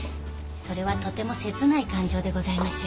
それはとても切ない感情でございます。